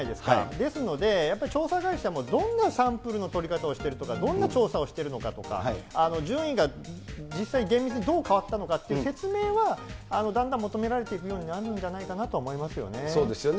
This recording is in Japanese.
ですので、やっぱり調査会社もどんなサンプルの取り方をしているとか、どんな調査をしているのかとか、順位が実際厳密にどう変わったのかっていう説明はだんだん求められていくようになるんじゃないかそうですよね。